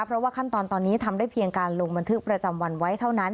เพราะว่าขั้นตอนตอนนี้ทำได้เพียงการลงบันทึกประจำวันไว้เท่านั้น